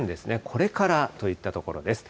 これからといったところです。